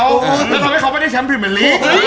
และทำให้เขาไม่ได้แชมป์ทีมอนลิ